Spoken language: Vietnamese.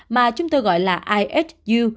mà chúng tôi gọi là ihu